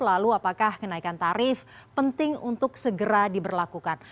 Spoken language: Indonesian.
lalu apakah kenaikan tarif penting untuk segera diberlakukan